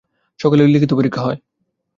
সকালে লিখিত পরীক্ষা হয়।